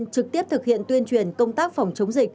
cụ thể như sau